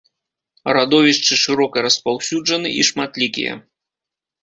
Радовішчы шырока распаўсюджаны і шматлікія.